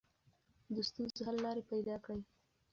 د ستونزو حل لارې پیدا کړئ.